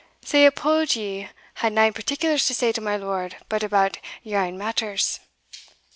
"Sae ye uphauld ye had nae particulars to say to my lord but about yer ain matters?"